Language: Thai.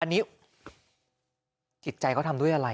อันนี้จิตใจเขาทำด้วยอะไร